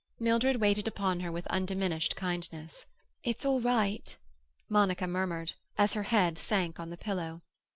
Mildred waited upon her with undiminished kindness. "It's all right," Monica murmured, as her head sank on the pillow.